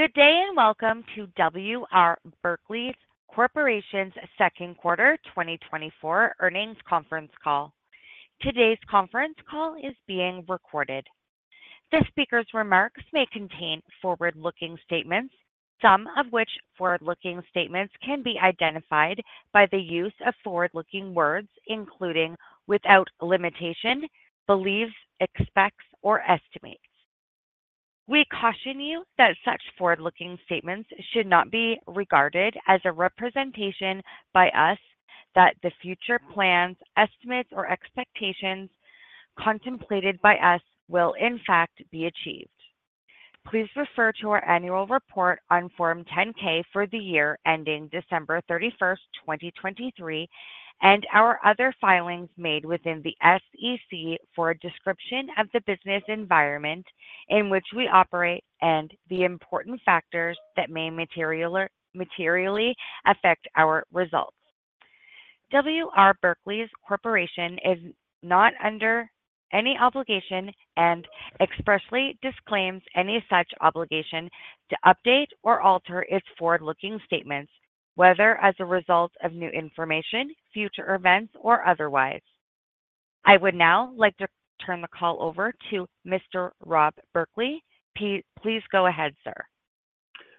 Good day and welcome to W. R. Berkley Corporation's second quarter 2024 earnings conference call. Today's conference call is being recorded. The speaker's remarks may contain forward-looking statements, some of which forward-looking statements can be identified by the use of forward-looking words including "without limitation," "believes," "expects," or "estimates." We caution you that such forward-looking statements should not be regarded as a representation by us that the future plans, estimates, or expectations contemplated by us will, in fact, be achieved. Please refer to our annual report on Form 10-K for the year ending December 31st, 2023, and our other filings made within the SEC for a description of the business environment in which we operate and the important factors that may materially affect our results. W. R. Berkley Corporation is not under any obligation and expressly disclaims any such obligation to update or alter its forward-looking statements, whether as a result of new information, future events, or otherwise. I would now like to turn the call over to Mr. Rob Berkley. Please go ahead, sir.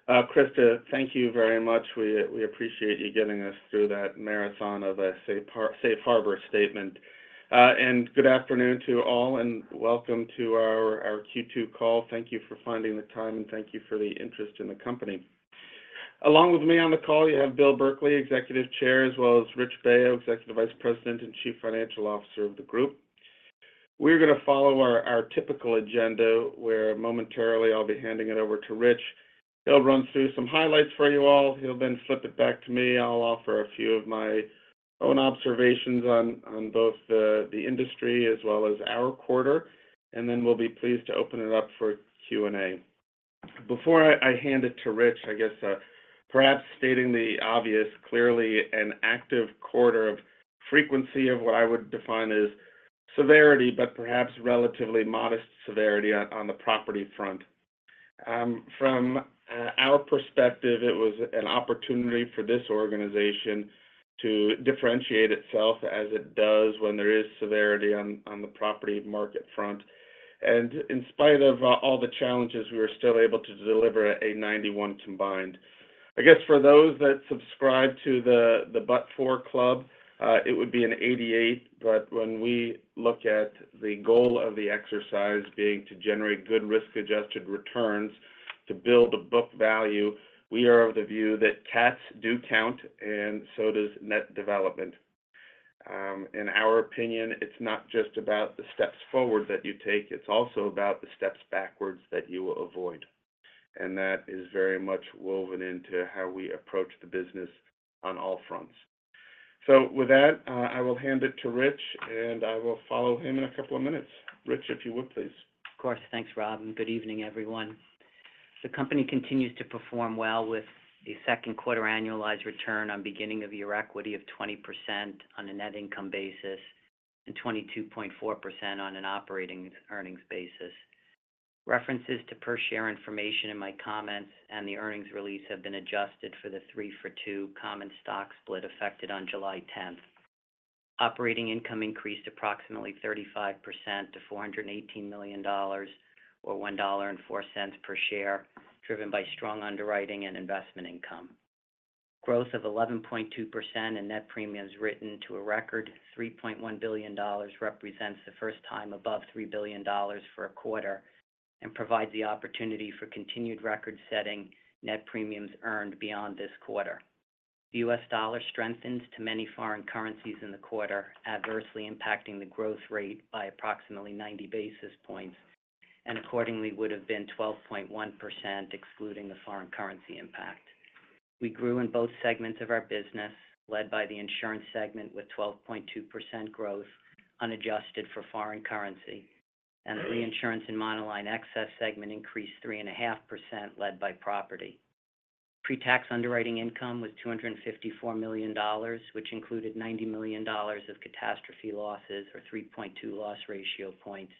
Krista, thank you very much. We appreciate you getting us through that marathon of a safe harbor statement. Good afternoon to all, and welcome to our Q2 call. Thank you for finding the time, and thank you for the interest in the company. Along with me on the call, you have Bill Berkley, Executive Chair, as well as Rich Baio, Executive Vice President and Chief Financial Officer of the group. We're going to follow our typical agenda, where momentarily I'll be handing it over to Rich. He'll run through some highlights for you all. He'll then flip it back to me. I'll offer a few of my own observations on both the industry as well as our quarter, and then we'll be pleased to open it up for Q&A. Before I hand it to Rich, I guess, perhaps stating the obvious clearly, an active quarter of frequency of what I would define as severity, but perhaps relatively modest severity on the property front. From our perspective, it was an opportunity for this organization to differentiate itself as it does when there is severity on the property market front. And in spite of all the challenges, we were still able to deliver a 91 combined. I guess for those that subscribe to the But for Club, it would be an 88. But when we look at the goal of the exercise being to generate good risk-adjusted returns to build a book value, we are of the view that cats do count, and so does net development. In our opinion, it's not just about the steps forward that you take. It's also about the steps backwards that you will avoid. That is very much woven into how we approach the business on all fronts. With that, I will hand it to Rich, and I will follow him in a couple of minutes. Rich, if you would, please. Of course. Thanks, Rob. And good evening, everyone. The company continues to perform well with a second quarter annualized return on beginning of year equity of 20% on a net income basis and 22.4% on an operating earnings basis. References to per share information in my comments and the earnings release have been adjusted for the 3-for-2 common stock split effective on July 10th. Operating income increased approximately 35% to $418 million, or $1.04 per share, driven by strong underwriting and investment income. Growth of 11.2% in net premiums written to a record $3.1 billion represents the first time above $3 billion for a quarter and provides the opportunity for continued record-setting net premiums earned beyond this quarter. The U.S. dollar strengthens to many foreign currencies in the quarter, adversely impacting the growth rate by approximately 90 basis points and accordingly would have been 12.1% excluding the foreign currency impact. We grew in both segments of our business, led by the insurance segment with 12.2% growth unadjusted for foreign currency, and the reinsurance and monoline excess segment increased 3.5%, led by property. Pretax underwriting income was $254 million, which included $90 million of catastrophe losses, or 3.2 loss ratio points.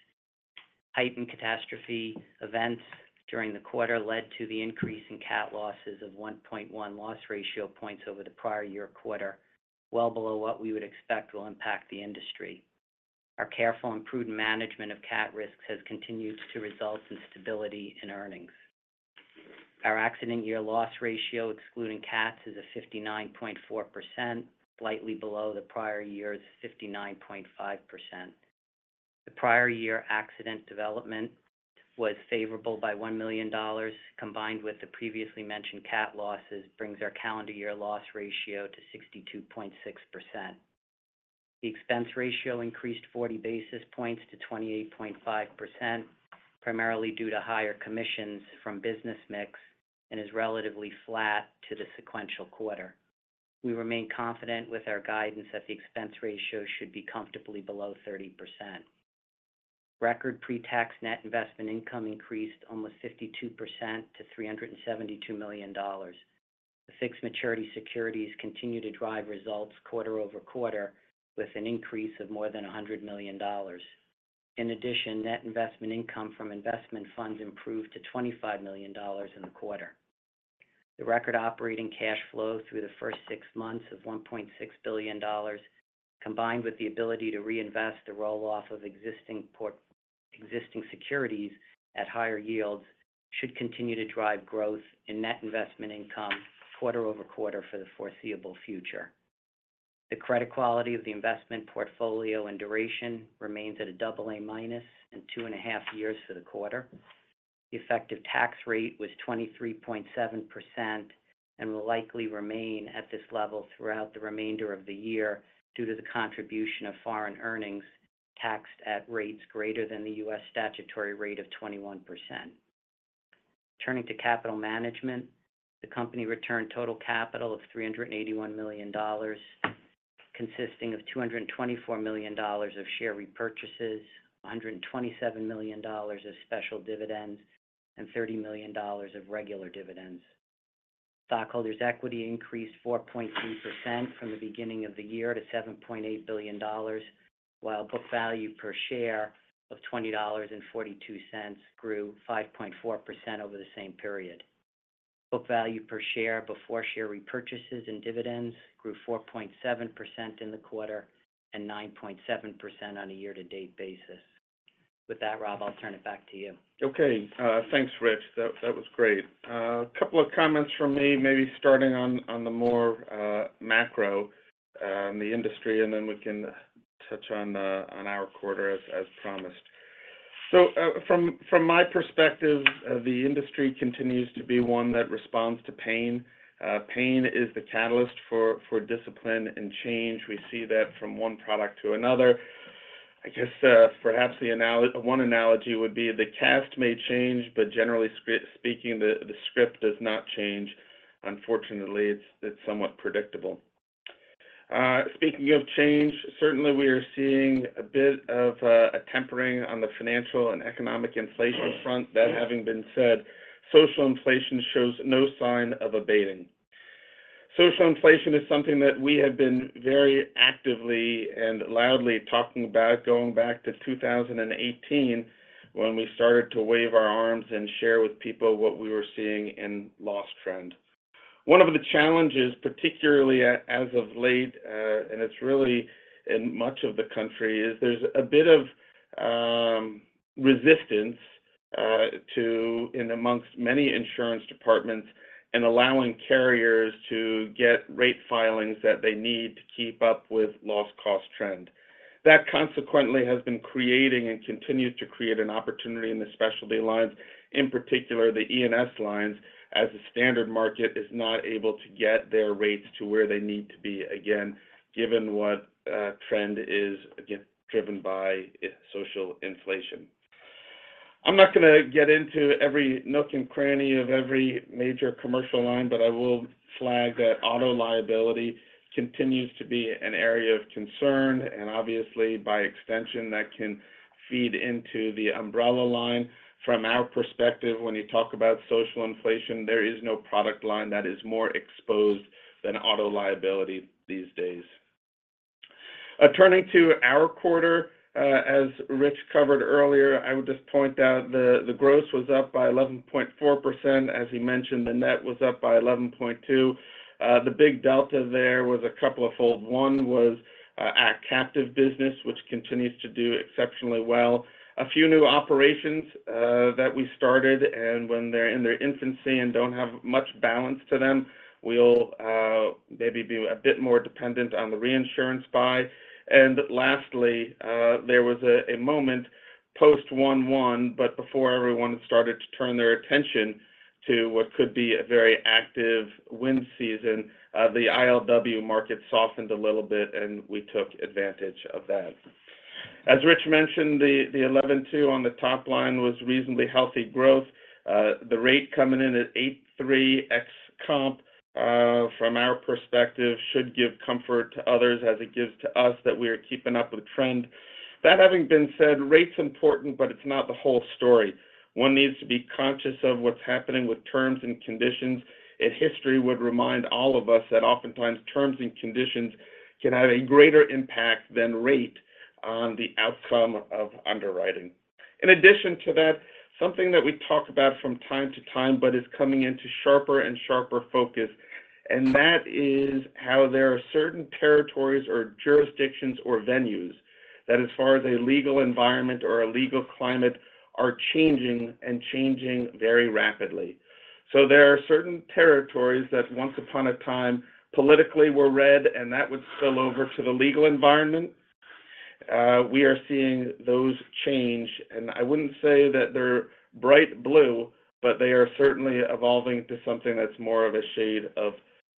Heightened catastrophe events during the quarter led to the increase in cat losses of 1.1 loss ratio points over the prior year quarter, well below what we would expect will impact the industry. Our careful and prudent management of cat risks has continued to result in stability in earnings. Our accident year loss ratio, excluding cats, is a 59.4%, slightly below the prior year's 59.5%. The prior year accident development was favorable by $1 million. Combined with the previously mentioned cat losses, it brings our calendar year loss ratio to 62.6%. The expense ratio increased 40 basis points to 28.5%, primarily due to higher commissions from business mix, and is relatively flat to the sequential quarter. We remain confident with our guidance that the expense ratio should be comfortably below 30%. Record pretax net investment income increased almost 52% to $372 million. The fixed maturity securities continue to drive results quarter-over-quarter with an increase of more than $100 million. In addition, net investment income from investment funds improved to $25 million in the quarter. The record operating cash flow through the first six months of $1.6 billion, combined with the ability to reinvest the roll-off of existing securities at higher yields, should continue to drive growth in net investment income quarter-over-quarter for the foreseeable future. The credit quality of the investment portfolio and duration remains at a AA- and 2.5 years for the quarter. The effective tax rate was 23.7% and will likely remain at this level throughout the remainder of the year due to the contribution of foreign earnings taxed at rates greater than the U.S. statutory rate of 21%. Turning to capital management, the company returned total capital of $381 million, consisting of $224 million of share repurchases, $127 million of special dividends, and $30 million of regular dividends. Stockholders' equity increased 4.3% from the beginning of the year to $7.8 billion, while book value per share of $20.42 grew 5.4% over the same period. Book value per share before share repurchases and dividends grew 4.7% in the quarter and 9.7% on a year-to-date basis. With that, Rob, I'll turn it back to you. Okay. Thanks, Rich. That was great. A couple of comments from me, maybe starting on the more macro in the industry, and then we can touch on our quarter as promised. From my perspective, the industry continues to be one that responds to pain. Pain is the catalyst for discipline and change. We see that from one product to another. I guess perhaps one analogy would be the cast may change, but generally speaking, the script does not change. Unfortunately, it's somewhat predictable. Speaking of change, certainly we are seeing a bit of a tempering on the financial and economic inflation front. That having been said, social inflation shows no sign of abating. Social inflation is something that we have been very actively and loudly talking about going back to 2018 when we started to wave our arms and share with people what we were seeing in loss trend. One of the challenges, particularly as of late, and it's really in much of the country, is there's a bit of resistance amongst many insurance departments in allowing carriers to get rate filings that they need to keep up with loss cost trend. That consequently has been creating and continues to create an opportunity in the specialty lines, in particular the E&S lines, as the standard market is not able to get their rates to where they need to be again, given what trend is driven by social inflation. I'm not going to get into every nook and cranny of every major commercial line, but I will flag that auto liability continues to be an area of concern, and obviously, by extension, that can feed into the umbrella line. From our perspective, when you talk about social inflation, there is no product line that is more exposed than auto liability these days. Turning to our quarter, as Rich covered earlier, I would just point out the gross was up by 11.4%. As he mentioned, the net was up by 11.2%. The big delta there was a couple of fold. One was at captive business, which continues to do exceptionally well. A few new operations that we started, and when they're in their infancy and don't have much balance to them, we'll maybe be a bit more dependent on the reinsurance buy. And lastly, there was a moment post-2011, but before everyone started to turn their attention to what could be a very active wind season, the ILW market softened a little bit, and we took advantage of that. As Rich mentioned, the 11.2 on the top line was reasonably healthy growth. The rate coming in at 8.3 ex comp, from our perspective, should give comfort to others as it gives to us that we are keeping up with trend. That having been said, rate's important, but it's not the whole story. One needs to be conscious of what's happening with terms and conditions. And history would remind all of us that oftentimes terms and conditions can have a greater impact than rate on the outcome of underwriting. In addition to that, something that we talk about from time to time, but is coming into sharper and sharper focus, and that is how there are certain territories or jurisdictions or venues that, as far as a legal environment or a legal climate, are changing and changing very rapidly. So there are certain territories that once upon a time politically were red, and that would spill over to the legal environment. We are seeing those change. And I wouldn't say that they're bright blue, but they are certainly evolving to something that's more of a shade of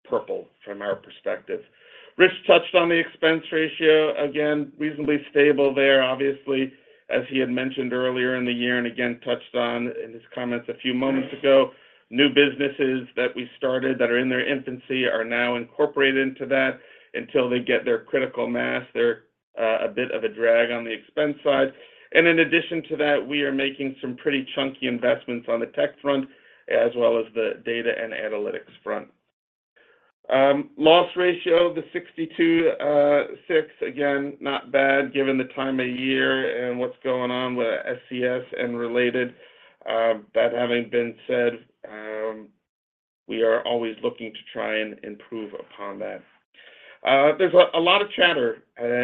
purple from our perspective. Rich touched on the expense ratio again, reasonably stable there, obviously, as he had mentioned earlier in the year, and again touched on in his comments a few moments ago. New businesses that we started that are in their infancy are now incorporated into that until they get their critical mass. They're a bit of a drag on the expense side. And in addition to that, we are making some pretty chunky investments on the tech front as well as the data and analytics front. Loss ratio, the 62.6%, again, not bad given the time of year and what's going on with SCS and related. That having been said, we are always looking to try and improve upon that. There's a lot of chatter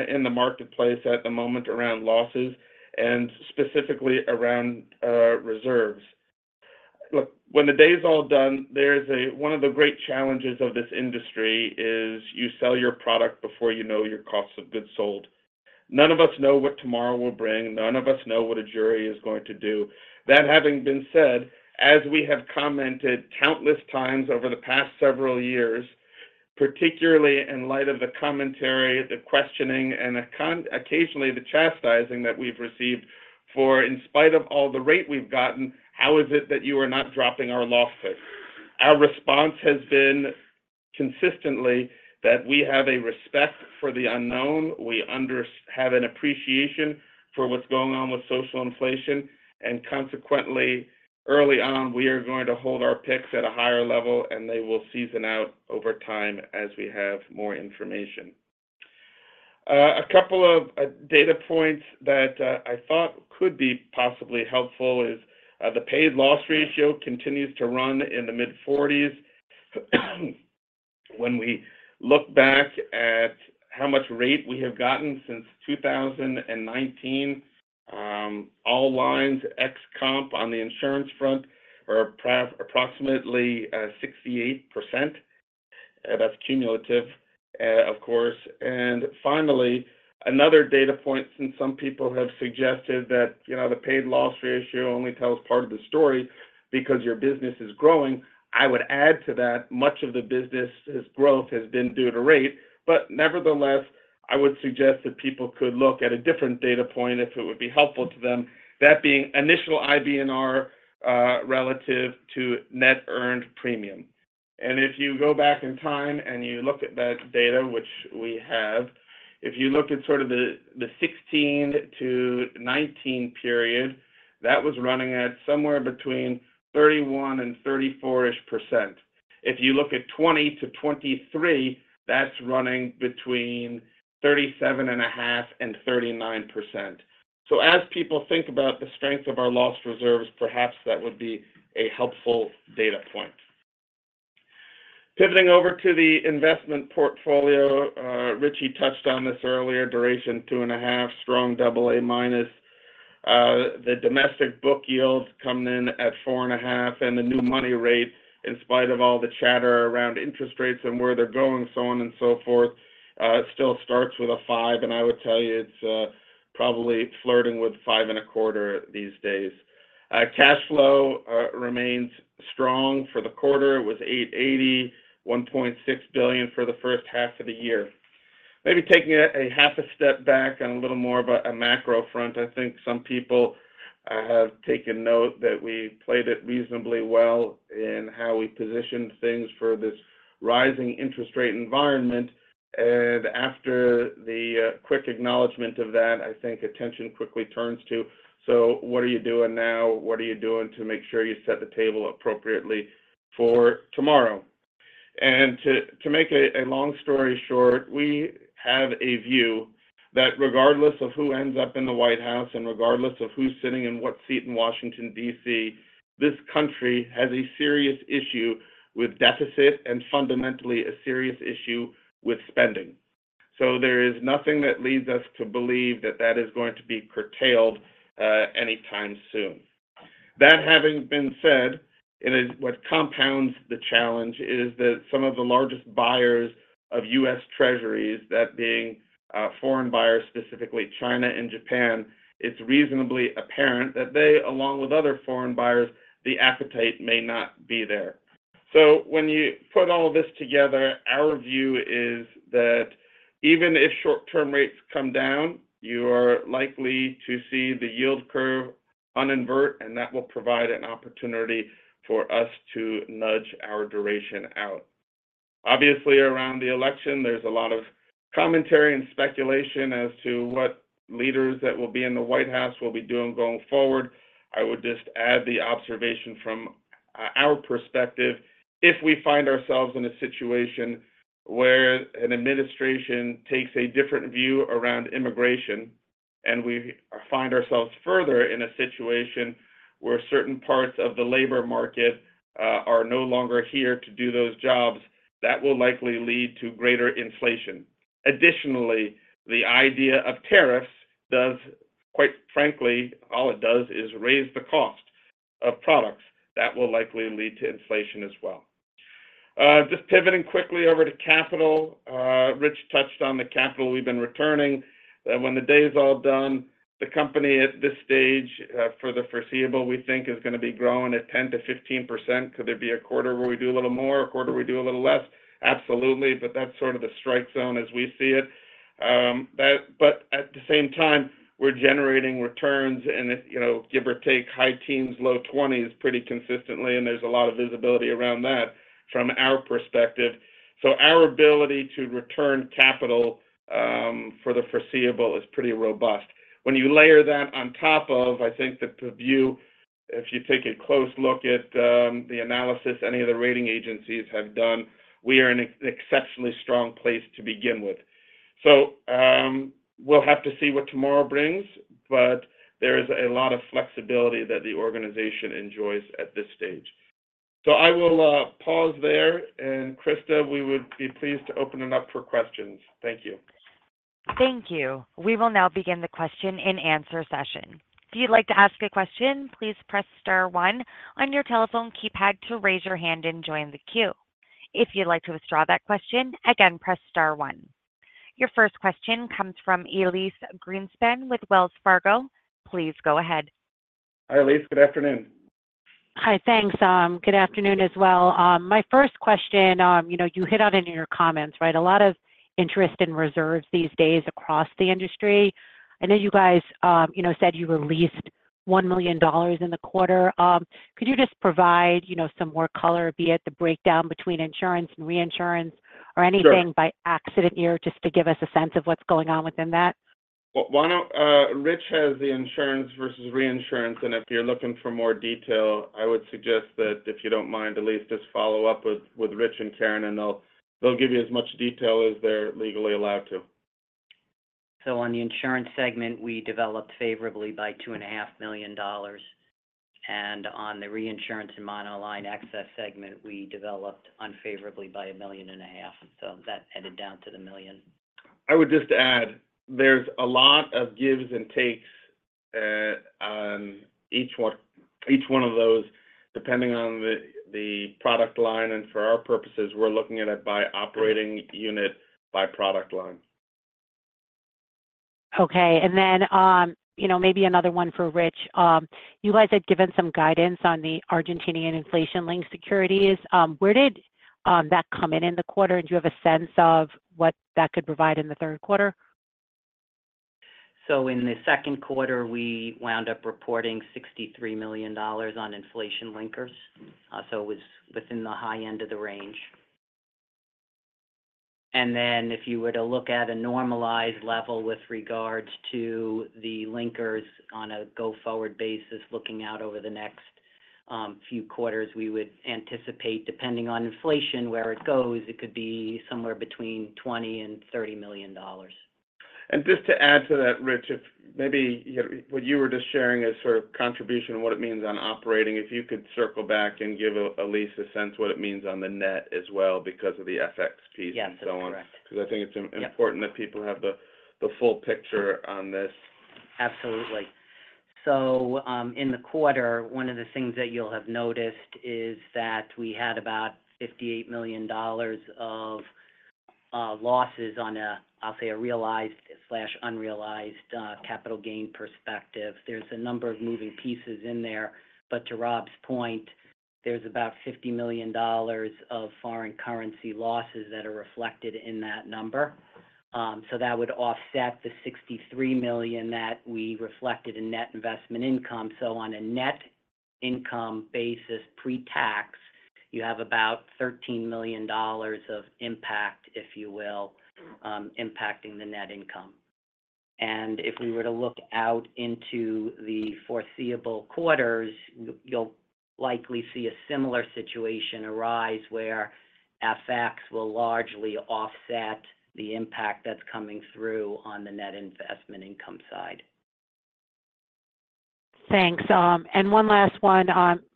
in the marketplace at the moment around losses and specifically around reserves. Look, when the day's all done, one of the great challenges of this industry is you sell your product before you know your cost of goods sold. None of us know what tomorrow will bring. None of us know what a jury is going to do. That having been said, as we have commented countless times over the past several years, particularly in light of the commentary, the questioning, and occasionally the chastising that we've received for, in spite of all the rate we've gotten, how is it that you are not dropping our losses? Our response has been consistently that we have a respect for the unknown. We have an appreciation for what's going on with social inflation. And consequently, early on, we are going to hold our picks at a higher level, and they will season out over time as we have more information. A couple of data points that I thought could be possibly helpful is the paid loss ratio continues to run in the mid-40s. When we look back at how much rate we have gotten since 2019, all lines ex comp on the insurance front are approximately 68%. That's cumulative, of course. And finally, another data point, since some people have suggested that the paid loss ratio only tells part of the story because your business is growing, I would add to that much of the business's growth has been due to rate. But nevertheless, I would suggest that people could look at a different data point if it would be helpful to them, that being initial IBNR relative to net earned premium. And if you go back in time and you look at that data, which we have, if you look at sort of the 2016-2019 period, that was running at somewhere between 31%-34-ish%. If you look at 2020-2023, that's running between 37.5%-39%. So as people think about the strength of our loss reserves, perhaps that would be a helpful data point. Pivoting over to the investment portfolio, Richie touched on this earlier, duration 2.5, strong AA-. The domestic book yield coming in at 4.5%, and the new money rate, in spite of all the chatter around interest rates and where they're going, so on and so forth, still starts with a 5%. And I would tell you it's probably flirting with 5.25% these days. Cash flow remains strong for the quarter. It was $880 million, $1.6 billion for the first half of the year. Maybe taking a half a step back on a little more of a macro front, I think some people have taken note that we played it reasonably well in how we positioned things for this rising interest rate environment. And after the quick acknowledgment of that, I think attention quickly turns to, so what are you doing now? What are you doing to make sure you set the table appropriately for tomorrow? To make a long story short, we have a view that regardless of who ends up in the White House and regardless of who's sitting in what seat in Washington, D.C., this country has a serious issue with deficit and fundamentally a serious issue with spending. So there is nothing that leads us to believe that that is going to be curtailed anytime soon. That having been said, what compounds the challenge is that some of the largest buyers of U.S. Treasuries, that being foreign buyers, specifically China and Japan, it's reasonably apparent that they, along with other foreign buyers, the appetite may not be there. So when you put all this together, our view is that even if short-term rates come down, you are likely to see the yield curve uninvert, and that will provide an opportunity for us to nudge our duration out. Obviously, around the election, there's a lot of commentary and speculation as to what leaders that will be in the White House will be doing going forward. I would just add the observation from our perspective, if we find ourselves in a situation where an administration takes a different view around immigration and we find ourselves further in a situation where certain parts of the labor market are no longer here to do those jobs, that will likely lead to greater inflation. Additionally, the idea of tariffs does, quite frankly, all it does is raise the cost of products. That will likely lead to inflation as well. Just pivoting quickly over to capital, Rich touched on the capital. We've been returning. When the day's all done, the company at this stage for the foreseeable, we think, is going to be growing at 10%-15%. Could there be a quarter where we do a little more, a quarter where we do a little less? Absolutely. But that's sort of the strike zone as we see it. But at the same time, we're generating returns in, give or take, high teens, low 20s pretty consistently, and there's a lot of visibility around that from our perspective. So our ability to return capital for the foreseeable is pretty robust. When you layer that on top of, I think, the view, if you take a close look at the analysis any of the rating agencies have done, we are in an exceptionally strong place to begin with. So we'll have to see what tomorrow brings, but there is a lot of flexibility that the organization enjoys at this stage. So I will pause there. And Krista, we would be pleased to open it up for questions. Thank you. Thank you. We will now begin the question and answer session. If you'd like to ask a question, please press star one on your telephone keypad to raise your hand and join the queue. If you'd like to withdraw that question, again, press star one. Your first question comes from Elyse Greenspan with Wells Fargo. Please go ahead. Hi, Elyse. Good afternoon. Hi. Thanks. Good afternoon as well. My first question, you hit on it in your comments, right? A lot of interest in reserves these days across the industry. I know you guys said you released $1 million in the quarter. Could you just provide some more color, be it the breakdown between insurance and reinsurance or anything by accident year, just to give us a sense of what's going on within that? Well, Rich has the insurance versus reinsurance. And if you're looking for more detail, I would suggest that if you don't mind, Elyse, just follow up with Rich and Karen, and they'll give you as much detail as they're legally allowed to. So on the insurance segment, we developed favorably by $2.5 million. And on the reinsurance and monoline excess segment, we developed unfavorably by $1.5 million. So that added down to $1 million. I would just add there's a lot of gives and takes on each one of those, depending on the product line. And for our purposes, we're looking at it by operating unit, by product line. Okay. And then maybe another one for Rich. You guys had given some guidance on the Argentinian inflation-linked securities. Where did that come in in the quarter? And do you have a sense of what that could provide in the third quarter? So in the second quarter, we wound up reporting $63 million on inflation linkers. So it was within the high end of the range. And then if you were to look at a normalized level with regards to the linkers on a go-forward basis, looking out over the next few quarters, we would anticipate, depending on inflation, where it goes, it could be somewhere between $20 million and $30 million. And just to add to that, Rich, maybe what you were just sharing as sort of contribution and what it means on operating, if you could circle back and give Elyse a sense of what it means on the net as well because of the FX piece and so on. Yes, that's correct. Because I think it's important that people have the full picture on this. Absolutely. So in the quarter, one of the things that you'll have noticed is that we had about $58 million of losses on a, I'll say, a realized/unrealized capital gain perspective. There's a number of moving pieces in there. But to Rob's point, there's about $50 million of foreign currency losses that are reflected in that number. So that would offset the $63 million that we reflected in net investment income. So on a net income basis pre-tax, you have about $13 million of impact, if you will, impacting the net income. And if we were to look out into the foreseeable quarters, you'll likely see a similar situation arise where FX will largely offset the impact that's coming through on the net investment income side. Thanks. And one last one,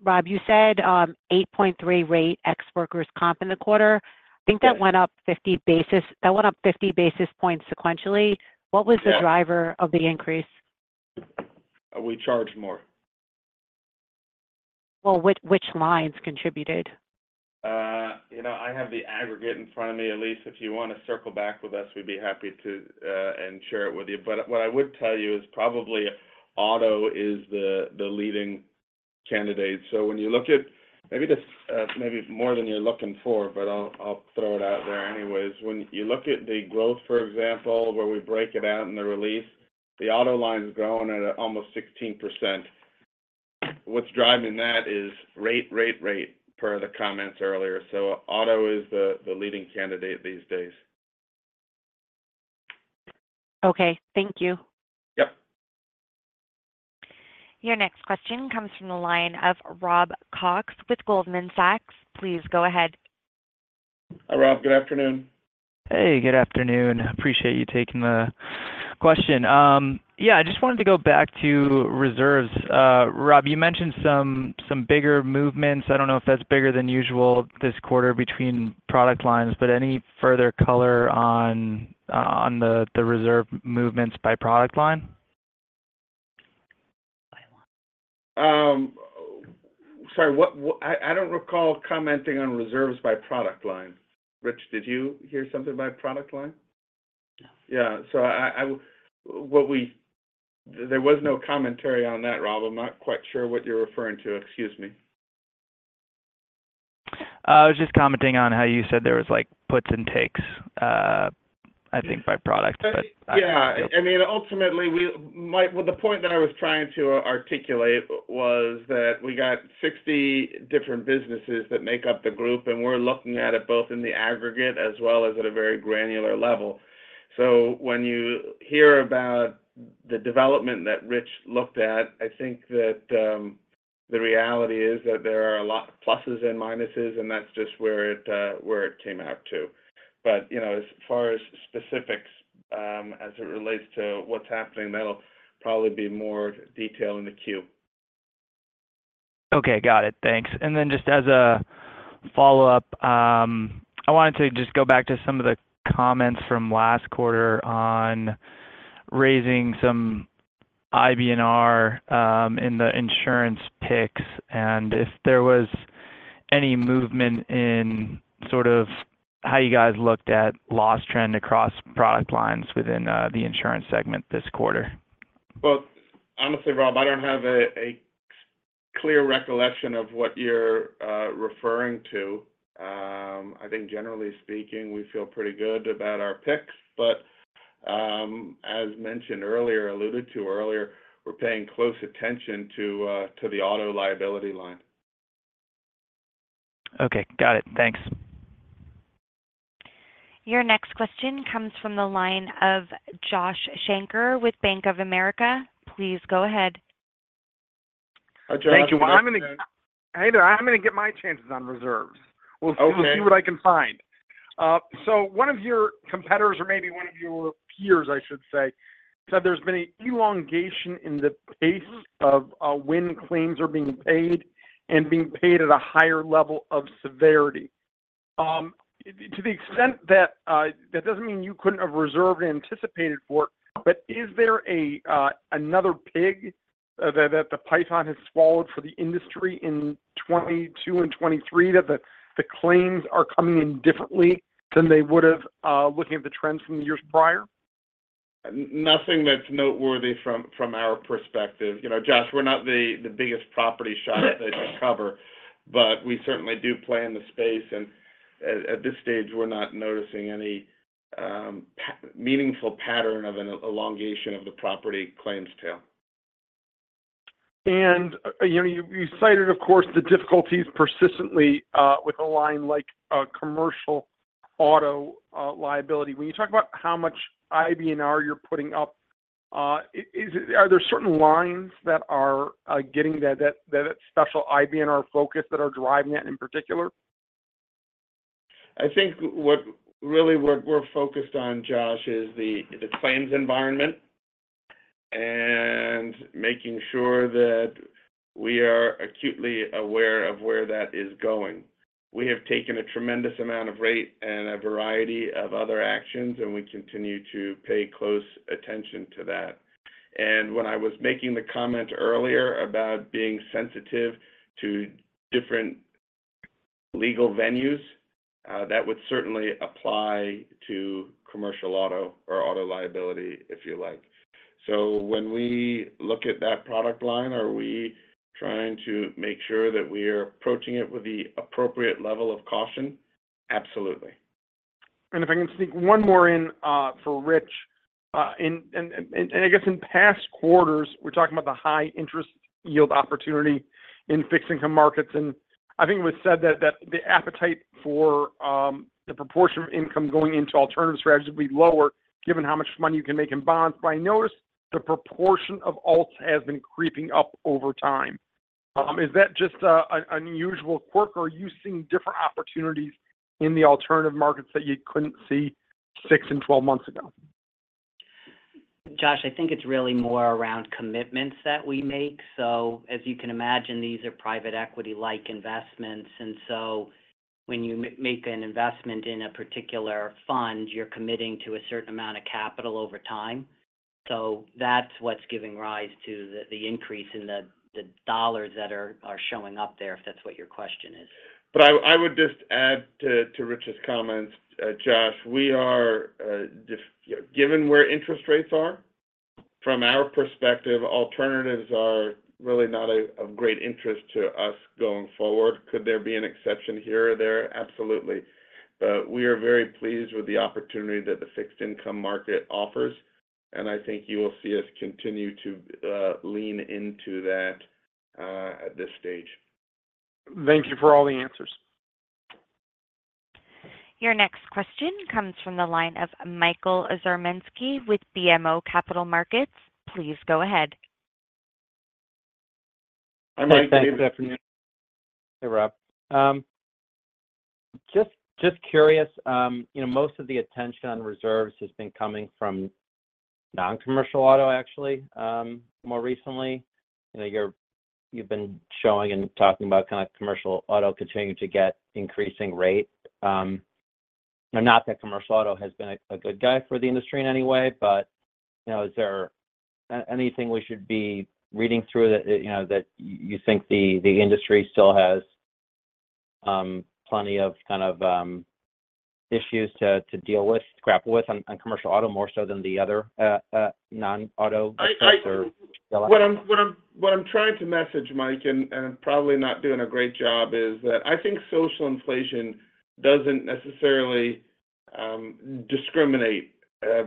Rob, you said 8.3% rate ex workers' comp in the quarter. I think that went up 50 basis points sequentially. What was the driver of the increase? We charged more. Well, which lines contributed? I have the aggregate in front of me. Elyse, if you want to circle back with us, we'd be happy to share it with you. But what I would tell you is probably auto is the leading candidate. So when you look at maybe more than you're looking for, but I'll throw it out there anyways. When you look at the growth, for example, where we break it out in the release, the auto line's growing at almost 16%. What's driving that is rate, rate, rate per the comments earlier. So auto is the leading candidate these days. Okay. Thank you. Yep. Your next question comes from the line of Rob Cox with Goldman Sachs. Please go ahead. Hi, Rob. Good afternoon. Hey, good afternoon. Appreciate you taking the question. Yeah, I just wanted to go back to reserves. Rob, you mentioned some bigger movements. I don't know if that's bigger than usual this quarter between product lines, but any further color on the reserve movements by product line? Sorry, I don't recall commenting on reserves by product line. Rich, did you hear something by product line? No. Yeah. So there was no commentary on that, Rob. I'm not quite sure what you're referring to. Excuse me. I was just commenting on how you said there was puts and takes, I think, by product. Yeah. I mean, ultimately, the point that I was trying to articulate was that we got 60 different businesses that make up the group, and we're looking at it both in the aggregate as well as at a very granular level. So when you hear about the development that Rich looked at, I think that the reality is that there are a lot of pluses and minuses, and that's just where it came out to. But as far as specifics as it relates to what's happening, that'll probably be more detail in the queue. Okay. Got it. Thanks. And then just as a follow-up, I wanted to just go back to some of the comments from last quarter on raising some IBNR in the insurance picks. And if there was any movement in sort of how you guys looked at loss trend across product lines within the insurance segment this quarter. Well, honestly, Rob, I don't have a clear recollection of what you're referring to. I think, generally speaking, we feel pretty good about our picks. But as mentioned earlier, alluded to earlier, we're paying close attention to the auto liability line. Okay. Got it. Thanks. Your next question comes from the line of Josh Shanker with Bank of America. Please go ahead. Thank you. I'm going to take my chances on reserves. We'll see what I can find. So one of your competitors, or maybe one of your peers, I should say, said there's been an elongation in the pace of when claims are being paid and being paid at a higher level of severity. To the extent that that doesn't mean you couldn't have reserved and anticipated for it, but is there another pig that the python has swallowed for the industry in 2022 and 2023 that the claims are coming in differently than they would have looking at the trends from the years prior? Nothing that's noteworthy from our perspective. Josh, we're not the biggest property shop that you cover, but we certainly do play in the space. At this stage, we're not noticing any meaningful pattern of an elongation of the property claims tail. You cited, of course, the difficulties persistently with a line like commercial auto liability. When you talk about how much IBNR you're putting up, are there certain lines that are getting that special IBNR focus that are driving it in particular? I think really what we're focused on, Josh, is the claims environment and making sure that we are acutely aware of where that is going. We have taken a tremendous amount of rate and a variety of other actions, and we continue to pay close attention to that. When I was making the comment earlier about being sensitive to different legal venues, that would certainly apply to commercial auto or auto liability, if you like. So when we look at that product line, are we trying to make sure that we are approaching it with the appropriate level of caution? Absolutely. If I can sneak one more in for Rich. I guess in past quarters, we're talking about the high interest yield opportunity in fixed income markets. And I think it was said that the appetite for the proportion of income going into alternative strategies will be lower given how much money you can make in bonds. But I noticed the proportion of alts has been creeping up over time. Is that just an unusual quirk, or are you seeing different opportunities in the alternative markets that you couldn't see six and 12 months ago? Josh, I think it's really more around commitments that we make. So as you can imagine, these are private equity-like investments. And so when you make an investment in a particular fund, you're committing to a certain amount of capital over time. So that's what's giving rise to the increase in the dollars that are showing up there, if that's what your question is. But I would just add to Rich's comments, Josh, given where interest rates are, from our perspective, alternatives are really not of great interest to us going forward. Could there be an exception here or there? Absolutely. But we are very pleased with the opportunity that the fixed income market offers. And I think you will see us continue to lean into that at this stage. Thank you for all the answers. Your next question comes from the line of Michael Zaremski with BMO Capital Markets. Please go ahead. Hi, Mike. Good afternoon. Hey, Rob. Just curious, most of the attention on reserves has been coming from non-commercial auto, actually, more recently. You've been showing and talking about kind of commercial auto continuing to get increasing rate. Not that commercial auto has been a good guy for the industry in any way, but is there anything we should be reading through that you think the industry still has plenty of kind of issues to deal with, grapple with on commercial auto more so than the other non-auto sector? What I'm trying to message, Mike, and probably not doing a great job, is that I think social inflation doesn't necessarily discriminate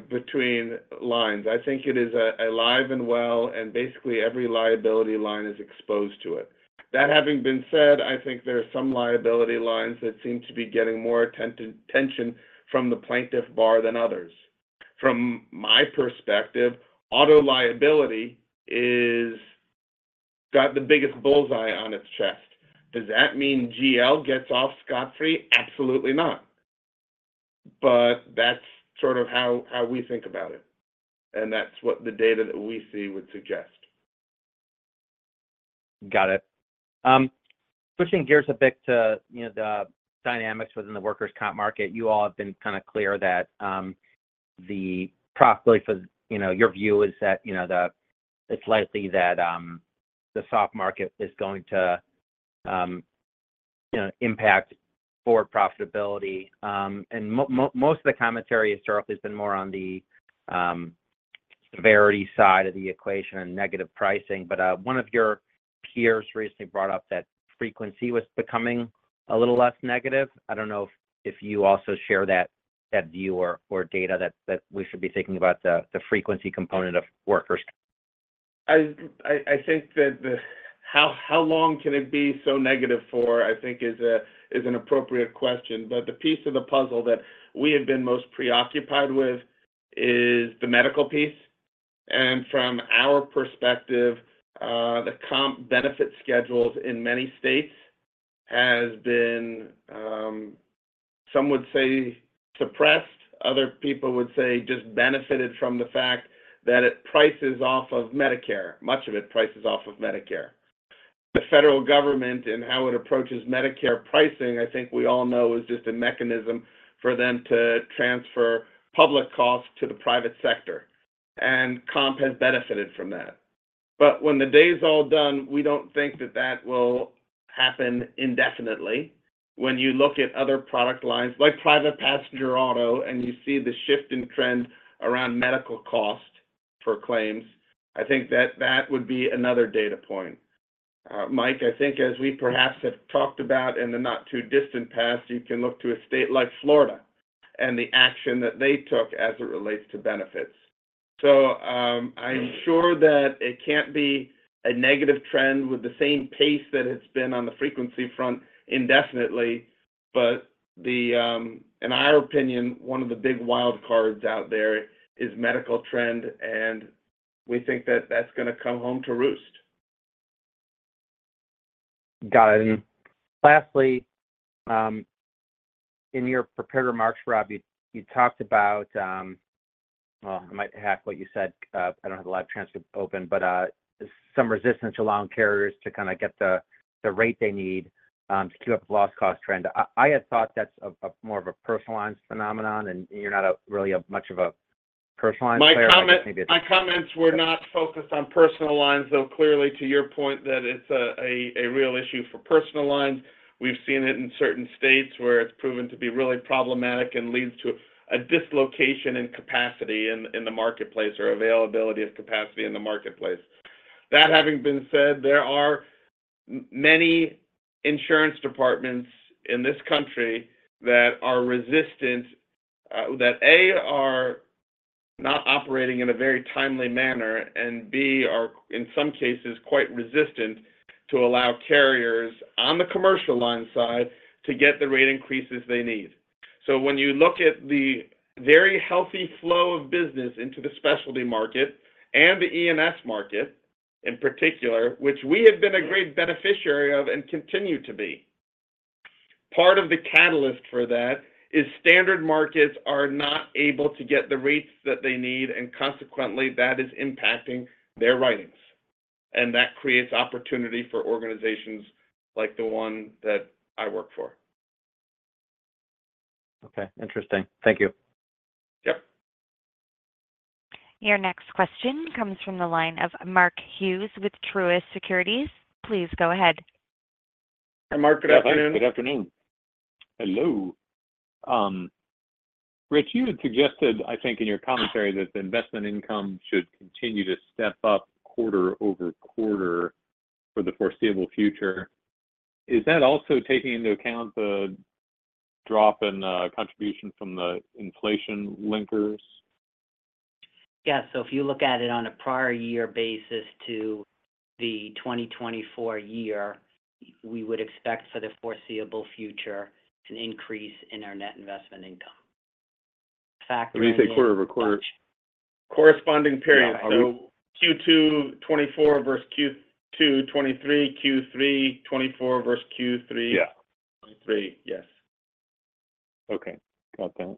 between lines. I think it is alive and well, and basically every liability line is exposed to it. That having been said, I think there are some liability lines that seem to be getting more attention from the plaintiff bar than others. From my perspective, auto liability has got the biggest bullseye on its chest. Does that mean GL gets off scot-free? Absolutely not. But that's sort of how we think about it. And that's what the data that we see would suggest. Got it. Switching gears a bit to the dynamics within the workers' comp market, you all have been kind of clear that the probably your view is that it's likely that the soft market is going to impact forward profitability. And most of the commentary historically has been more on the severity side of the equation and negative pricing. But one of your peers recently brought up that frequency was becoming a little less negative. I don't know if you also share that view or data that we should be thinking about the frequency component of workers. I think that how long can it be so negative for, I think, is an appropriate question. But the piece of the puzzle that we have been most preoccupied with is the medical piece. And from our perspective, the comp benefit schedules in many states have been, some would say, suppressed. Other people would say just benefited from the fact that it prices off of Medicare. Much of it prices off of Medicare. The federal government and how it approaches Medicare pricing, I think we all know, is just a mechanism for them to transfer public costs to the private sector. And comp has benefited from that. But when the day is all done, we don't think that that will happen indefinitely. When you look at other product lines like private passenger auto and you see the shift in trend around medical costs for claims, I think that that would be another data point. Mike, I think as we perhaps have talked about in the not too distant past, you can look to a state like Florida and the action that they took as it relates to benefits. So I'm sure that it can't be a negative trend with the same pace that it's been on the frequency front indefinitely. But in our opinion, one of the big wild cards out there is medical trend, and we think that that's going to come home to roost. Got it. And lastly, in your prepared remarks, Rob, you talked about, well, I might have what you said. I don't have the live transcript open, but some resistance among carriers to kind of get the rate they need to keep up with loss cost trend. I had thought that's more of a personal lines phenomenon, and you're not really much of a personal lines player. My comments were not focused on personal lines, though clearly to your point that it's a real issue for personal lines. We've seen it in certain states where it's proven to be really problematic and leads to a dislocation in capacity in the marketplace or availability of capacity in the marketplace. That having been said, there are many insurance departments in this country that are resistant, that A, are not operating in a very timely manner, and B, are in some cases quite resistant to allow carriers on the commercial lines side to get the rate increases they need. So when you look at the very healthy flow of business into the specialty market and the E&S market in particular, which we have been a great beneficiary of and continue to be, part of the catalyst for that is standard markets are not able to get the rates that they need, and consequently, that is impacting their writings. And that creates opportunity for organizations like the one that I work for. Okay. Interesting. Thank you. Yep. Your next question comes from the line of Mark Hughes with Truist Securities. Please go ahead. Hi, Mark. Good afternoon. Good afternoon. Hello. Rich, you had suggested, I think, in your commentary that the investment income should continue to step up quarter-over-quarter for the foreseeable future. Is that also taking into account the drop in contribution from the inflation linkers? Yes. So if you look at it on a prior-year basis to the 2024 year, we would expect for the foreseeable future an increase in our net investment income. Factor in there. Did you say quarter-over-quarter? Corresponding period. Q2 2024 versus Q2 2023, Q3 2024 versus Q3 2023. Yes. Okay. Got that.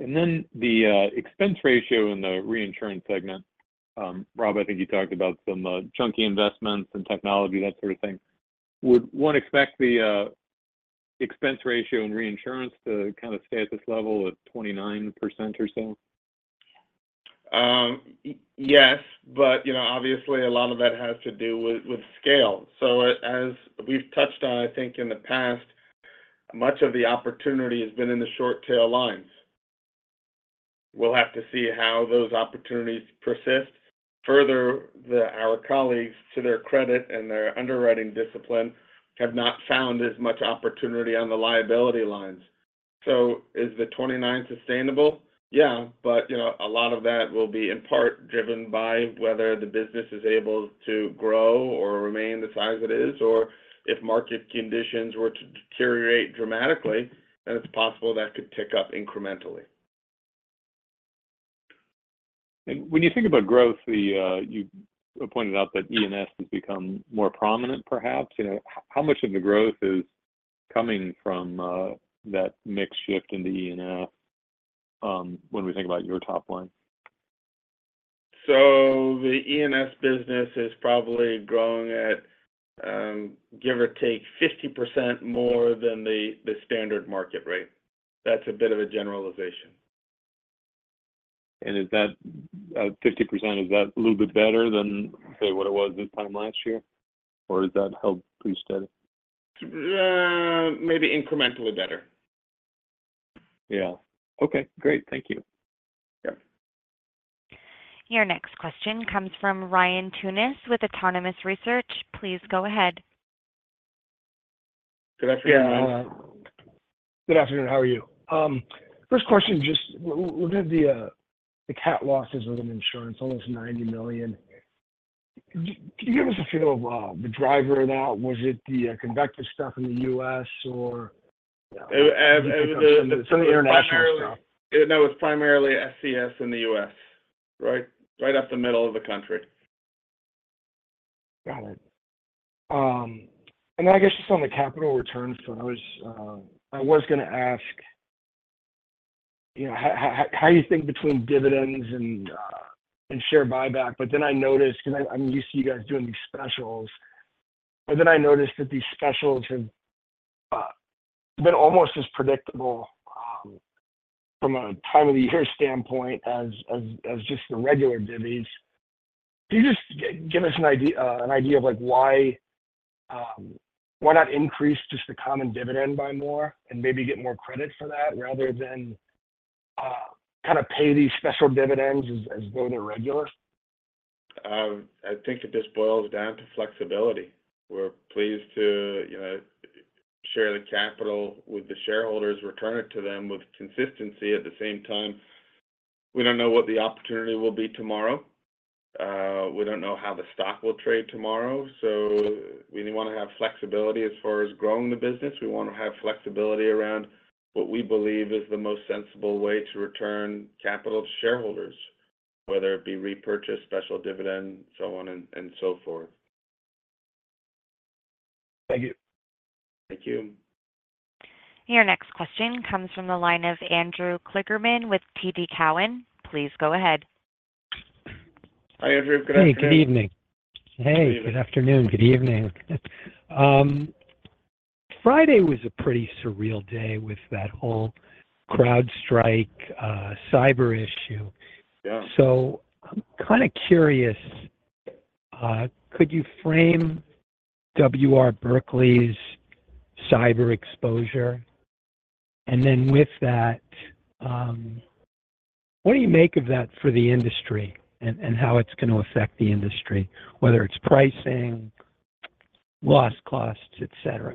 And then the expense ratio in the reinsurance segment, Rob, I think you talked about some chunky investments and technology, that sort of thing. Would one expect the expense ratio in reinsurance to kind of stay at this level at 29% or so? Yes. But obviously, a lot of that has to do with scale. So as we've touched on, I think in the past, much of the opportunity has been in the short-tail lines. We'll have to see how those opportunities persist. Further, our colleagues, to their credit and their underwriting discipline, have not found as much opportunity on the liability lines. So is the 29 sustainable? Yeah. But a lot of that will be in part driven by whether the business is able to grow or remain the size it is, or if market conditions were to deteriorate dramatically, then it's possible that could tick up incrementally. When you think about growth, you pointed out that E&S has become more prominent, perhaps. How much of the growth is coming from that mix shift into E&S when we think about your top line? So the E&S business is probably growing at, give or take, 50% more than the standard market rate. That's a bit of a generalization. And is that 50%, is that a little bit better than, say, what it was this time last year? Or has that held pretty steady? Maybe incrementally better. Yeah. Okay. Great. Thank you. Yep. Your next question comes from Ryan Tunis with Autonomous Research. Please go ahead. Good afternoon. Good afternoon. How are you? First question, just looking at the cat losses within insurance, almost $90 million. Can you give us a feel of the driver of that? Was it the convective stuff in the U.S. or? It was the international stuff. No, it was primarily SCS in the U.S., right? Right up the middle of the country. Got it. And then I guess just on the capital returns, I was going to ask how you think between dividends and share buyback. But then I noticed, because I'm used to you guys doing these specials, but then I noticed that these specials have been almost as predictable from a time-of-the-year standpoint as just the regular divvies. Can you just give us an idea of why not increase just the common dividend by more and maybe get more credit for that rather than kind of pay these special dividends as though they're regular? I think that this boils down to flexibility. We're pleased to share the capital with the shareholders, return it to them with consistency. At the same time, we don't know what the opportunity will be tomorrow. We don't know how the stock will trade tomorrow. So we want to have flexibility as far as growing the business. We want to have flexibility around what we believe is the most sensible way to return capital to shareholders, whether it be repurchase, special dividend, so on and so forth. Thank you. Thank you. Your next question comes from the line of Andrew Kligerman with TD Cowen. Please go ahead. Hi, Andrew. Good afternoon. Hey. Good evening. Hey. Good afternoon. Good evening. Friday was a pretty surreal day with that whole CrowdStrike cyber issue. So I'm kind of curious, could you frame W. R. Berkley's cyber exposure? And then with that, what do you make of that for the industry and how it's going to affect the industry, whether it's pricing, loss costs, etc.?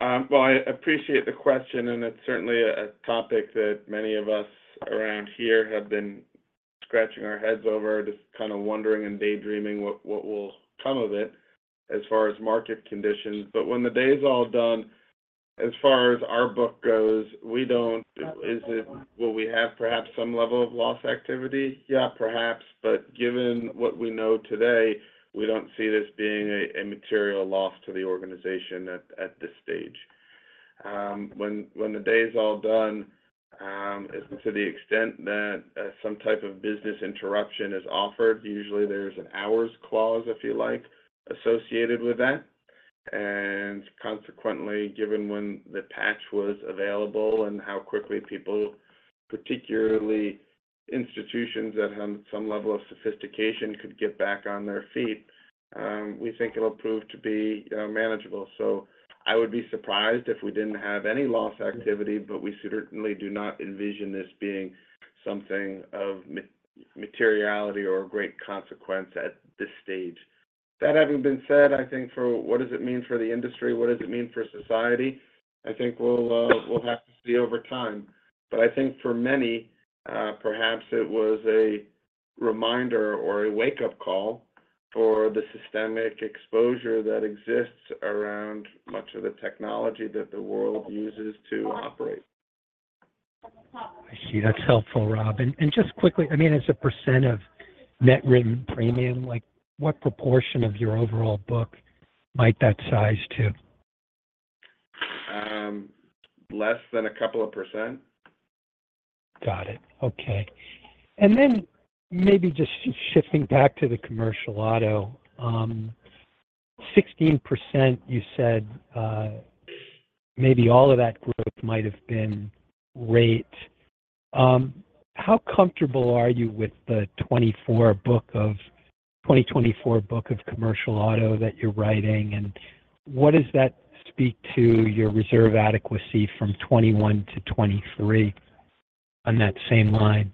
Well, I appreciate the question, and it's certainly a topic that many of us around here have been scratching our heads over, just kind of wondering and daydreaming what will come of it as far as market conditions. But when the day is all done, as far as our book goes, will we have perhaps some level of loss activity? Yeah, perhaps. But given what we know today, we don't see this being a material loss to the organization at this stage. When the day is all done, to the extent that some type of business interruption is offered, usually there's an hours clause, if you like, associated with that. And consequently, given when the patch was available and how quickly people, particularly institutions that have some level of sophistication, could get back on their feet, we think it'll prove to be manageable. So I would be surprised if we didn't have any loss activity, but we certainly do not envision this being something of materiality or a great consequence at this stage. That having been said, I think for what does it mean for the industry? What does it mean for society? I think we'll have to see over time. But I think for many, perhaps it was a reminder or a wake-up call for the systemic exposure that exists around much of the technology that the world uses to operate. I see. That's helpful, Rob. And just quickly, I mean, as a % of net written premium, what proportion of your overall book might that size to? Less than a couple of %. Got it. Okay. And then maybe just shifting back to the commercial auto, 16%, you said maybe all of that growth might have been rate. How comfortable are you with the 2024 book of commercial auto that you're writing? And what does that speak to your reserve adequacy from 2021-2023 on that same line?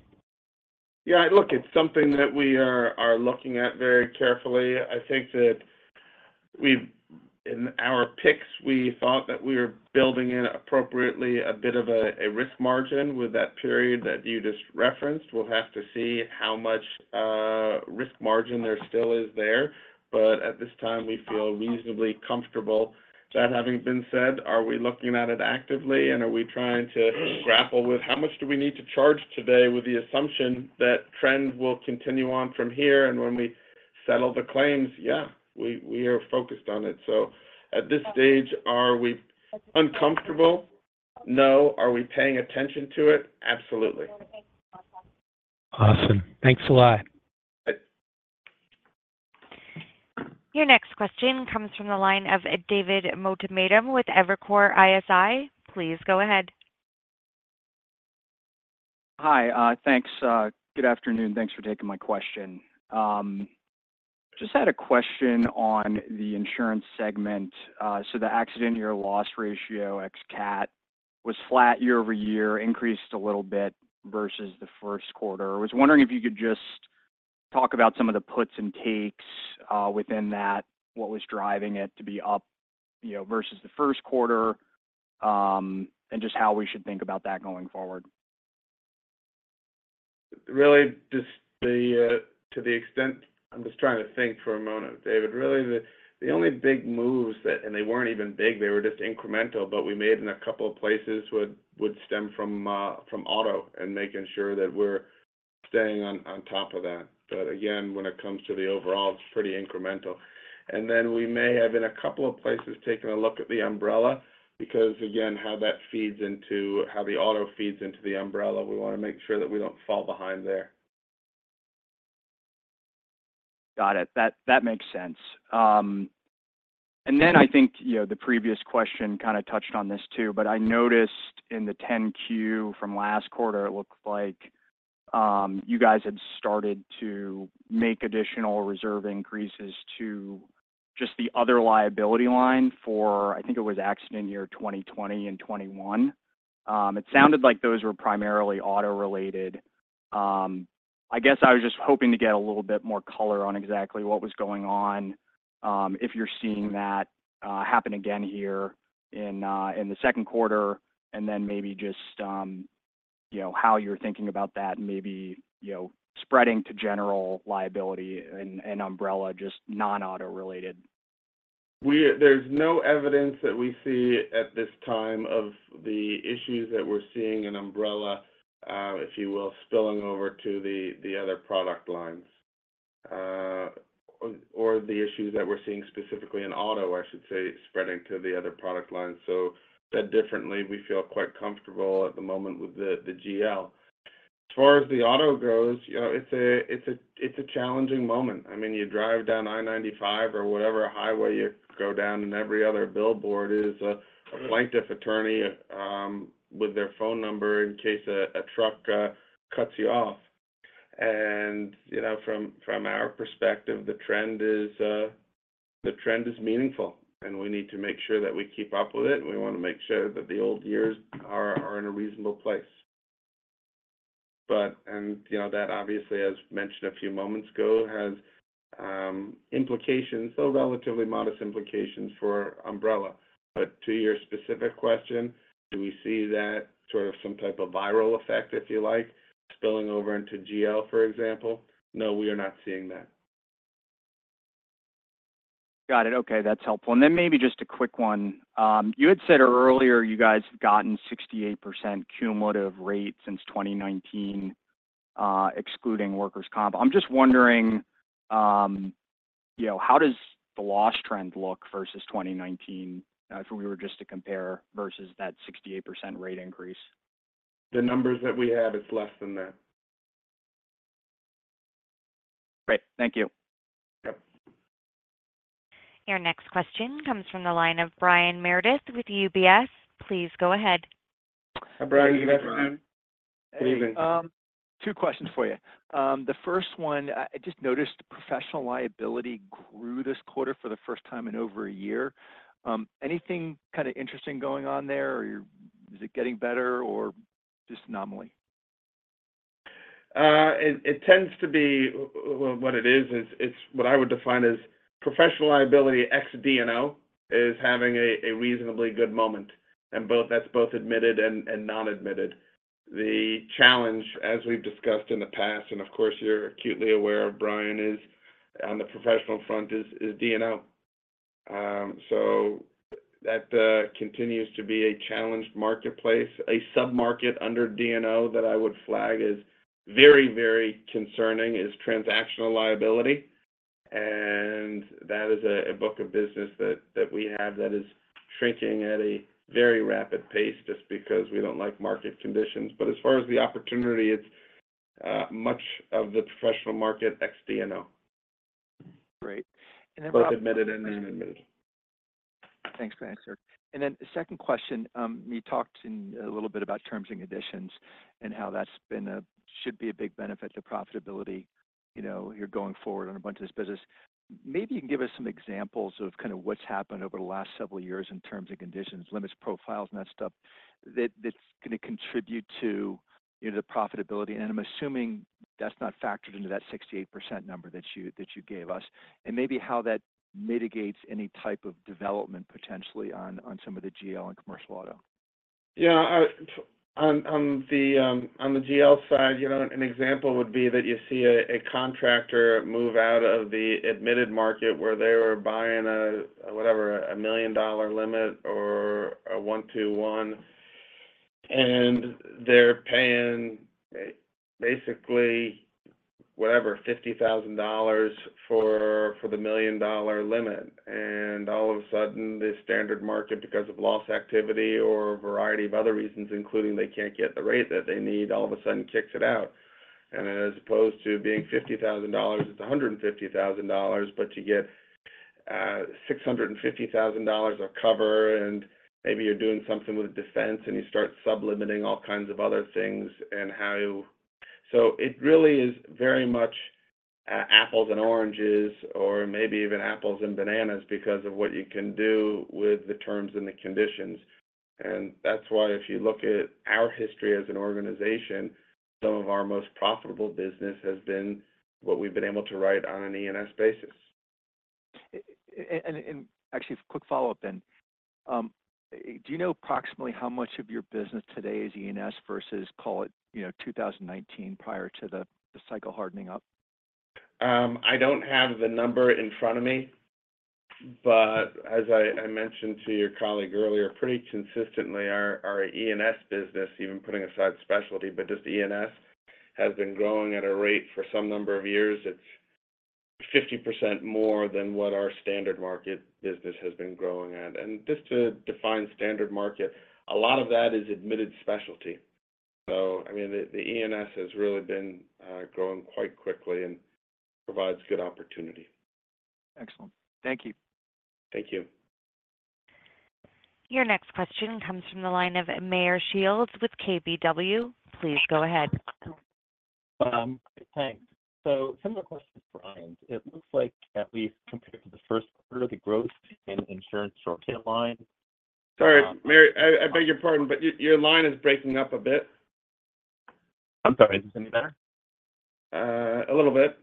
Yeah. Look, it's something that we are looking at very carefully. I think that in our picks, we thought that we were building in appropriately a bit of a risk margin with that period that you just referenced. We'll have to see how much risk margin there still is there. But at this time, we feel reasonably comfortable. That having been said, are we looking at it actively? And are we trying to grapple with how much do we need to charge today with the assumption that trend will continue on from here? And when we settle the claims, yeah, we are focused on it. So at this stage, are we uncomfortable? No. Are we paying attention to it? Absolutely. Awesome. Thanks a lot. Your next question comes from the line of David Motemaden with Evercore ISI. Please go ahead. Hi. Thanks. Good afternoon. Thanks for taking my question. Just had a question on the insurance segment. So the accident-year loss ratio ex cat was flat year-over-year, increased a little bit versus the first quarter. I was wondering if you could just talk about some of the puts and takes within that, what was driving it to be up versus the first quarter, and just how we should think about that going forward. Really, just to the extent I'm just trying to think for a moment, David, really the only big moves that, and they weren't even big, they were just incremental, but we made in a couple of places would stem from auto and making sure that we're staying on top of that. But again, when it comes to the overall, it's pretty incremental. And then we may have in a couple of places taken a look at the umbrella because, again, how that feeds into how the auto feeds into the umbrella. We want to make sure that we don't fall behind there. Got it. That makes sense. And then I think the previous question kind of touched on this too, but I noticed in the 10-Q from last quarter, it looked like you guys had started to make additional reserve increases to just the other liability line for, I think it was accident year 2020 and 2021. It sounded like those were primarily auto-related. I guess I was just hoping to get a little bit more color on exactly what was going on, if you're seeing that happen again here in the second quarter, and then maybe just how you're thinking about that, maybe spreading to general liability and umbrella, just non-auto-related. There's no evidence that we see at this time of the issues that we're seeing in umbrella, if you will, spilling over to the other product lines or the issues that we're seeing specifically in auto, I should say, spreading to the other product lines. So said differently, we feel quite comfortable at the moment with the GL. As far as the auto goes, it's a challenging moment. I mean, you drive down I-95 or whatever highway you go down, and every other billboard is a plaintiff attorney with their phone number in case a truck cuts you off. And from our perspective, the trend is meaningful, and we need to make sure that we keep up with it. We want to make sure that the old years are in a reasonable place. And that, obviously, as mentioned a few moments ago, has implications, though relatively modest implications for umbrella. But to your specific question, do we see that sort of some type of viral effect, if you like, spilling over into GL, for example? No, we are not seeing that. Got it. Okay. That's helpful. And then maybe just a quick one. You had said earlier you guys have gotten 68% cumulative rate since 2019, excluding workers' comp. I'm just wondering, how does the loss trend look versus 2019, if we were just to compare versus that 68% rate increase? The numbers that we have, it's less than that. Great. Thank you. Yep. Your next question comes from the line of Brian Meredith with UBS. Please go ahead. Hi, Brian. Good afternoon. Good evening. Two questions for you. The first one, I just noticed professional liability grew this quarter for the first time in over a year. Anything kind of interesting going on there, or is it getting better, or just anomaly? It tends to be what it is. It's what I would define as professional liability ex D&O is having a reasonably good moment. And that's both admitted and non-admitted. The challenge, as we've discussed in the past, and of course, you're acutely aware, Brian, is on the professional front is D&O. So that continues to be a challenged marketplace. A sub-market under D&O that I would flag as very, very concerning is transactional liability. And that is a book of business that we have that is shrinking at a very rapid pace just because we don't like market conditions. But as far as the opportunity, it's much of the professional market ex D&O. Great. And then. Admitted and non-admitted. Thanks for the answer. And then the second question, we talked a little bit about terms and conditions and how that should be a big benefit to profitability here going forward on a bunch of this business. Maybe you can give us some examples of kind of what's happened over the last several years in terms of conditions, limits profiles, and that stuff that's going to contribute to the profitability. And I'm assuming that's not factored into that 68% number that you gave us. And maybe how that mitigates any type of development potentially on some of the GL and commercial auto. Yeah. On the GL side, an example would be that you see a contractor move out of the admitted market where they were buying a, whatever, a million-dollar limit or a 1-2-1, and they're paying basically whatever, $50,000 for the million-dollar limit. And all of a sudden, the standard market, because of loss activity or a variety of other reasons, including they can't get the rate that they need, all of a sudden kicks it out. As opposed to being $50,000, it's $150,000, but you get $650,000 of cover. Maybe you're doing something with defense, and you start sub-limiting all kinds of other things. So it really is very much apples and oranges or maybe even apples and bananas because of what you can do with the terms and the conditions. That's why if you look at our history as an organization, some of our most profitable business has been what we've been able to write on an E&S basis. Actually, quick follow-up then. Do you know approximately how much of your business today is E&S versus, call it, 2019 prior to the cycle hardening up? I don't have the number in front of me, but as I mentioned to your colleague earlier, pretty consistently, our E&S business, even putting aside specialty, but just E&S has been growing at a rate for some number of years. It's 50% more than what our standard market business has been growing at. And just to define standard market, a lot of that is admitted specialty. So I mean, the E&S has really been growing quite quickly and provides good opportunity. Excellent. Thank you. Thank you. Your next question comes from the line of Meyer Shields with KBW. Please go ahead. Thanks. So similar question, Brian. It looks like at least compared to the first quarter, the growth in insurance short-tail line. Sorry, Meyer. I beg your pardon, but your line is breaking up a bit. I'm sorry. Is this any better? A little bit.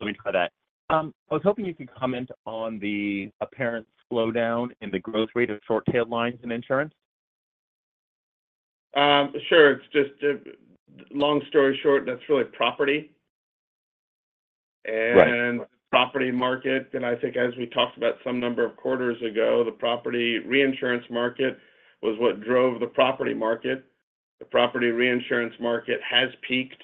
Let me try that. I was hoping you could comment on the apparent slowdown in the growth rate of short-tail lines in insurance. Sure. It's just, long story short, that's really property and the property market. And I think as we talked about some number of quarters ago, the property reinsurance market was what drove the property market. The property reinsurance market has peaked.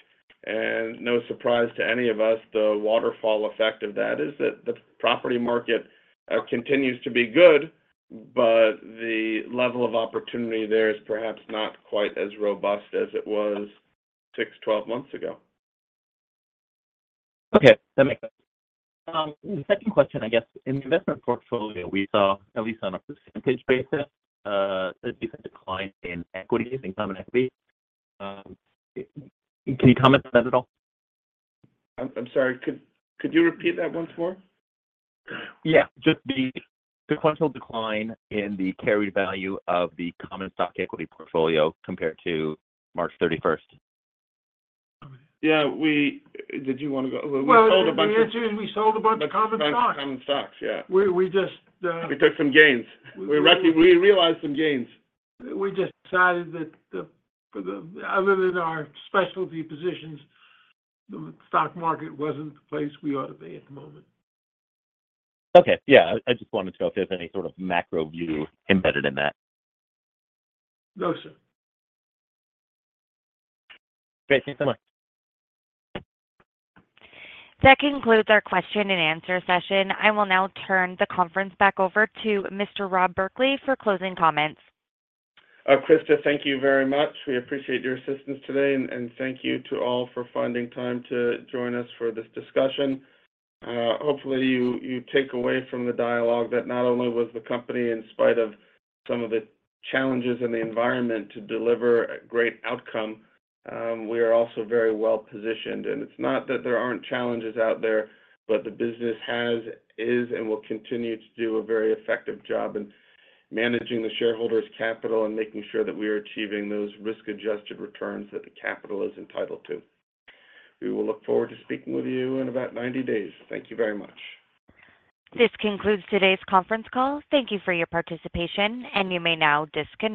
And no surprise to any of us, the waterfall effect of that is that the property market continues to be good, but the level of opportunity there is perhaps not quite as robust as it was six, 12 months ago. Okay. That makes sense. The second question, I guess, in the investment portfolio, we saw, at least on a percentage basis, a decent decline in equities, in common equity. Can you comment on that at all? I'm sorry. Could you repeat that once more? Yeah. Just the sequential decline in the carry value of the common stock equity portfolio compared to March 31st. Yeah. Did you want to go? We sold a bunch of common stocks. Common stocks, yeah. We just took some gains. We realized some gains. We just decided that other than our specialty positions, the stock market wasn't the place we ought to be at the moment. Okay. Yeah. I just wanted to know if there's any sort of macro view embedded in that. No, sir. Great. Thanks so much. That concludes our question and answer session. I will now turn the conference back over to Mr. Rob Berkley for closing comments. Krista, thank you very much. We appreciate your assistance today. And thank you to all for finding time to join us for this discussion. Hopefully, you take away from the dialogue that not only was the company, in spite of some of the challenges in the environment, to deliver a great outcome. We are also very well positioned. It's not that there aren't challenges out there, but the business has, is and will continue to do a very effective job in managing the shareholders' capital and making sure that we are achieving those risk-adjusted returns that the capital is entitled to. We will look forward to speaking with you in about 90 days. Thank you very much. This concludes today's conference call. Thank you for your participation, and you may now disconnect.